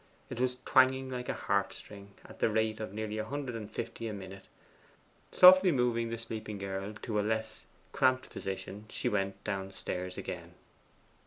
It was twanging like a harp string, at the rate of nearly a hundred and fifty a minute. Softly moving the sleeping girl to a little less cramped position, she went downstairs again.